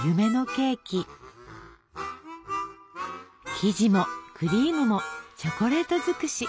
生地もクリームもチョコレートづくし！